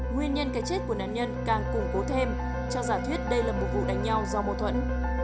nguyên nhân cái chết của nạn nhân càng củng cố thêm cho giả thuyết đây là một vụ đánh nhau do mâu thuẫn